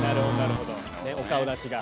お顔立ちが。